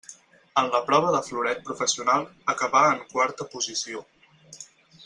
En la prova de floret professional acabà en quarta posició.